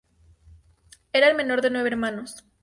Era el menor de nueve hermanos.